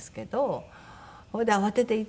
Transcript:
それで慌てて行っても。